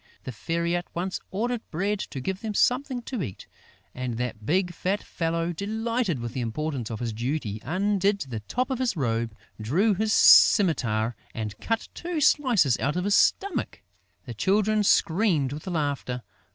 The Fairy at once ordered Bread to give them something to eat; and that big, fat fellow, delighted with the importance of his duty, undid the top of his robe, drew his scimitar and cut two slices out of his stomach. The Children screamed with laughter.